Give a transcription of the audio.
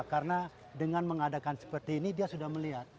karena dengan mengadakan seperti ini dia sudah melihat